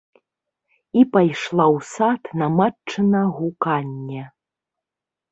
І пайшла ў сад на матчына гуканне.